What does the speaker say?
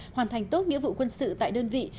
hoàn thành tốt nghĩa vụ quân sự tại đơn vị